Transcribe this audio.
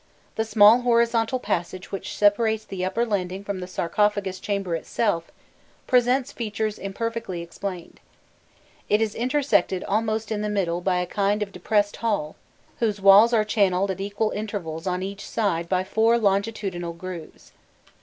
The small horizontal passage which separates the upper landing from the sarcophagus chamber itself, presents features imperfectly explained. It is intersected almost in the middle by a kind of depressed hall, whose walls are channelled at equal intervals on each side by four longitudinal grooves.